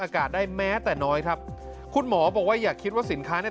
อากาศได้แม้แต่น้อยครับคุณหมอบอกว่าอย่าคิดว่าสินค้าเนี่ย